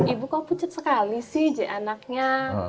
ibu kau pucat sekali sih anaknya